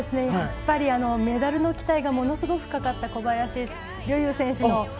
やっぱりメダルの期待がものすごくかかった小林陵侑選手。